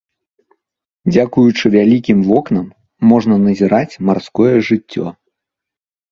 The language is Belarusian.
Дзякуючы вялікім вокнам можна назіраць марское жыццё.